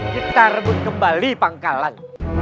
kita rebut kembali pangkalan